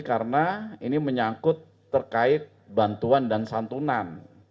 karena ini menyangkut terkait bantuan dan santunan